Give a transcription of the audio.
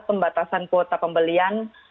pembatasan kuota pembelian